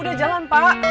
udah jalan pak